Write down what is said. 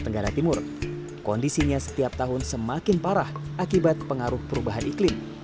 nomor determinan pambu seluruh jalan